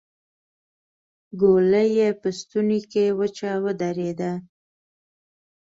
ګولۍ يې په ستونې کې وچه ودرېده.